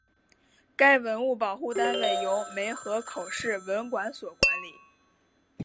该文物保护单位由梅河口市文管所管理。